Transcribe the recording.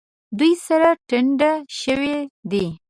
دوی سره ټنډه شوي دي.